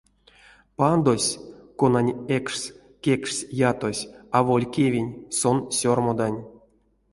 Пандось, конань экшс кекшсь ятось, аволь кевень, сон сермодань.